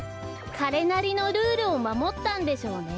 かれなりのルールをまもったんでしょうね。